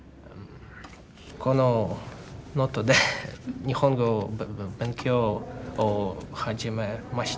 このノートで日本語の勉強を始めました。